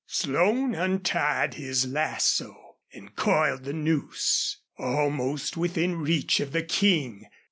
Slone untied his lasso and coiled the noose. Almost within reach of the King!